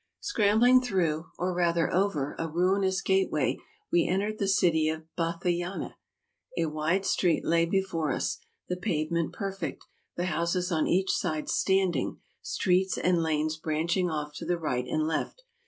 Scrambling through, or rather over, a ruinous gateway, we entered the city of Bathanyeh. A wide street lay before us, the pavement perfect, the houses on each side standing, streets and lanes branching off to the right and left.